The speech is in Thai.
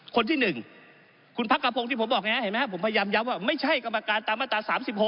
คนที่๑คุณพักกะโพงที่ผมบอกไงผมพยายามย้ำว่าไม่ใช่กรรมการตามอตรา๓๖